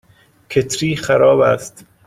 کتری خراب است.